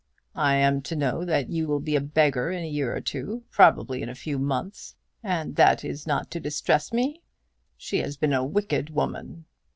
I am to know that you will be a beggar in a year or two, probably in a few months, and that is not to distress me! She has been a wicked woman!"